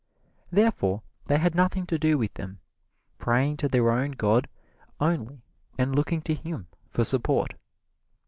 Therefore, they had nothing to do with them, praying to their own god only and looking to him for support.